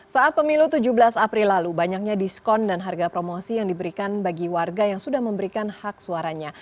saat pemilu tujuh belas april lalu banyaknya diskon dan harga promosi yang diberikan bagi warga yang sudah memberikan hak suaranya